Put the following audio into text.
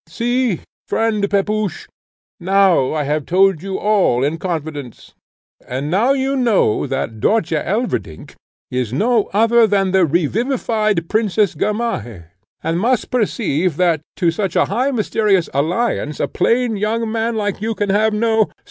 See, friend Pepusch; now I have told you all in confidence, and now you know that Dörtje Elverdink is no other than the revivified Princess Gamaheh, and must perceive that to such a high mysterious alliance a plain young man like you can have no